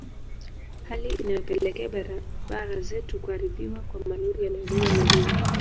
Hali inayopelekea barabara zetu kuharibiwa kwa malori yanayobeba mizigo